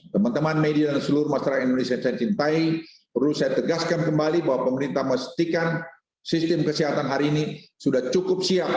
teman teman media dan seluruh masyarakat indonesia yang saya cintai perlu saya tegaskan kembali bahwa pemerintah mestikan sistem kesehatan hari ini sudah cukup siap